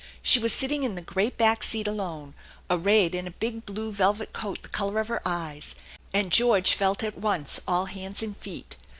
She was sitting in the great back seat alone, arrayed HI a big blue velvet coat the color of her eyes, and George felt at once all hands and feet.